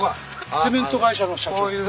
セメント会社の社長。